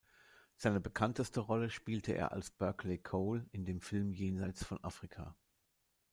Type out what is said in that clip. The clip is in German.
Seine bekannteste Rolle spielte er als „Berkeley Cole“ in dem Film "Jenseits von Afrika".